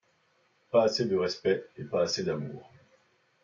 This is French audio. Pas assez de respect et pas, assez d'amour !